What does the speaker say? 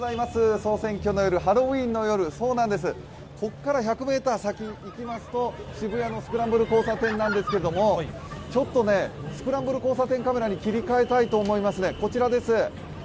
総選挙の夜、ハロウィーンの夜ここから１００ｍ先に行きますと渋谷のスクランブル交差点なんですけれども、ちょっとスクランブル交差点カメラに切り替えたいと思います。